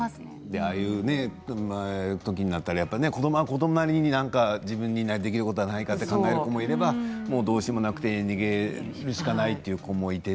ああいう時になったら子どもは子どもなりに自分にできることはないかと考える子もいればどうしようもなくて逃げるしかないという子もいて。